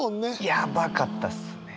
やばかったっすね。